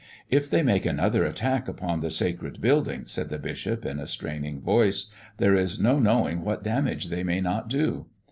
"If they make another attack upon the sacred building," said the bishop, in a straining voice, "there is no knowing what damage they may not do.